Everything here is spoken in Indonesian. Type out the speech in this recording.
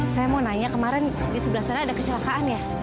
saya mau nanya kemarin di sebelah sana ada kecelakaan ya